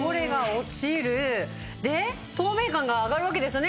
で透明感が上がるわけですよね